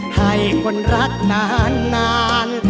ให้คนรักนาน